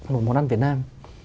một món ăn việt nam